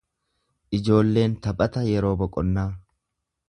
Ijoolleen taphata yeroo boqonnaa.